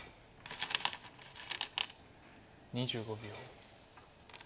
２５秒。